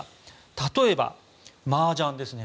例えば、マージャンですね。